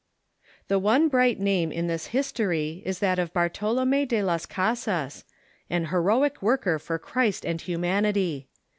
The one bright name in this history is that of Bartolome de Las Casas, an heroic worker for Christ and humanity.